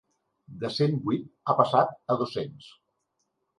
De cent vuit ha passat a dos-cents.